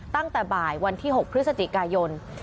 ตั้งแต่บ่ายวันที่๖พฤศจิกายน